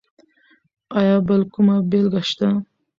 ایا بل کومه بېلګه شته؟